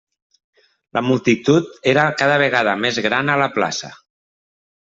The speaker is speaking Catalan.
La multitud era cada vegada més gran a la plaça.